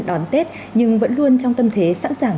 đón tết nhưng vẫn luôn trong tâm thế sẵn sàng